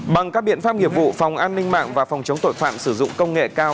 bằng các biện pháp nghiệp vụ phòng an ninh mạng và phòng chống tội phạm sử dụng công nghệ cao